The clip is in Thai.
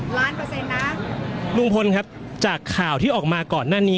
เปอร์เซ็นต์นะลุงพลครับจากข่าวที่ออกมาก่อนหน้านี้